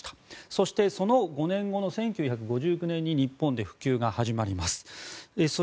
そしてその５年後の１９５９年に日本で布教が始まります。